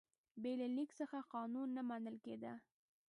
بې له لیک څخه قانون نه منل کېده.